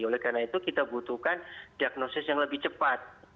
oleh karena itu kita butuhkan diagnosis yang lebih cepat